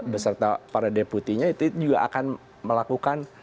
beserta para deputinya itu juga akan melakukan